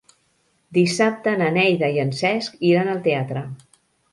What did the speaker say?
Dissabte na Neida i en Cesc iran al teatre.